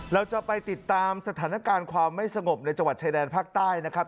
เราจะไปติดตามสถานการณ์ความไม่สงบในจังหวัดชายแดนภาคใต้นะครับ